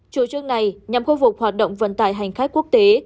chủ trương này nhằm khôi phục hoạt động vận tải hành khách quốc tế